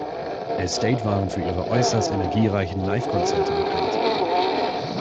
Estate waren für ihre äußerst energiereichen Live-Konzerte bekannt.